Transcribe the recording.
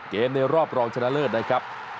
ในรอบรองชนะเลิศนะครับ